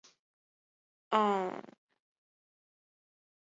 团山并殖吸虫为并殖科并殖属的动物。